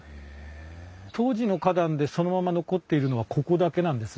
当時の花壇でそのまま残っているのはここだけなんです。